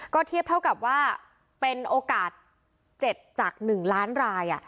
ก็เทียบเท่ากับว่าเป็นโอกาส๗จาก๑ล้านราย